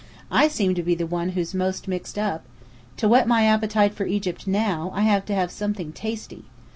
I seem to be the one who's most mixed up! To whet my appetite for Egypt now, I have to have something tasty.